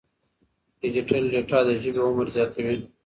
ډیجیټل ډیټا د ژبې عمر زیاتوي.